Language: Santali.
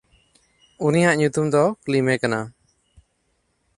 ᱩᱱᱤᱭᱟᱜ ᱧᱩᱛᱩᱢ ᱫᱚ ᱠᱞᱤᱢᱮ ᱠᱟᱱᱟ᱾